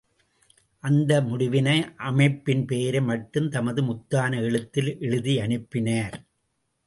அந்த முடிவினை அமைப்பின் பெயரை மட்டும் தமது முத்தான எழுத்தில் எழுதி அனுப்பினார்!